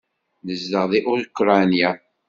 Nezdeɣ deg Ukṛanya.